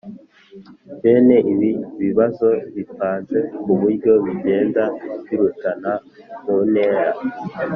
Bene ibi bibazo bipanze ku buryo bigenda birutana mu ntera